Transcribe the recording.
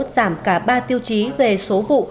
giảm cả ba tiêu chí về số vụ